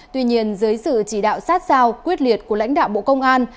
tuy nhiên dưới sự chỉ đạo sát sao quyết liệt của lãnh đạo bộ công an